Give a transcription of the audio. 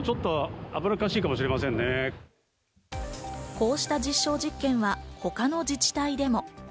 こうした実証実験は他の自治体でも。